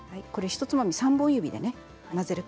ひとつまみ、３本指でね